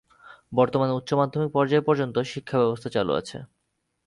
বর্তমানে উচ্চ মাধ্যমিক পর্যায় পর্যন্ত শিক্ষা ব্যবস্থা চালু আছে।